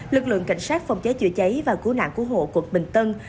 lực lượng cảnh sát phòng cháy chữa cháy và cứu nạn cứu hộ quận bình tân